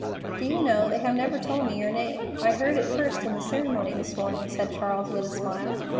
"Do you know, they have never told me your name. I heard it first in the ceremony this morning," said Charles, with a smile.